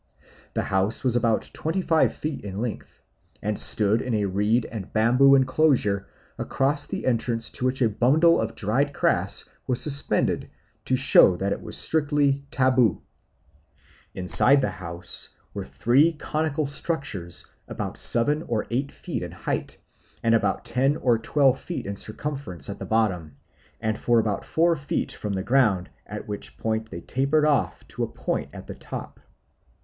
The house was about twenty five feet in length, and stood in a reed and bamboo enclosure, across the entrance to which a bundle of dried grass was suspended to show that it was strictly 'tabu.' Inside the house were three conical structures about seven or eight feet in height, and about ten or twelve feet in circumference at the bottom, and for about four feet from the ground, at which point they tapered off to a point at the top.